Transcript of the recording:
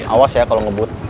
awas ya kalau ngebut